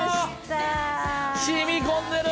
染み込んでる！